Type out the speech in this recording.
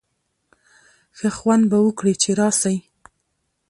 ښه خوند به وکړي چي راسی.